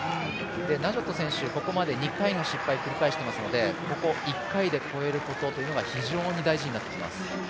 ナジョット選手、ここまで２回の失敗を繰り返していますのでここ１回で越えることというのが非常に大事になってきます。